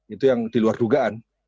itu yang diluar dugaan